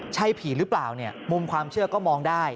ใช่ผีหรือเปล่าเนี่ยมุมความเชื่อก็มองได้